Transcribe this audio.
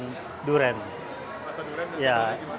masa durian dan cendol lagi mana